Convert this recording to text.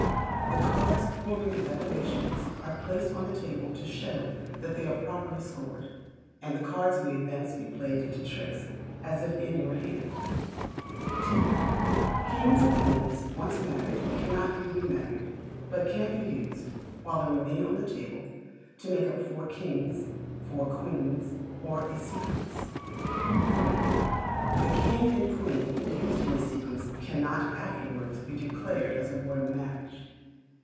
The cards forming the declarations are placed on the table to show that they are properly scored, and the cards may thence be played into tricks as if in your hand. ii. Kings and queens once married cannot be re married, but can be used, while they remain on the table, to make up four kings, four queens, or a sequence. iii. The king and queen used in a sequence cannot afterwards be declared as a royal marriage.